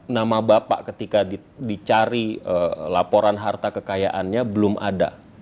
nama bapak ketika dicari laporan harta kekayaannya belum ada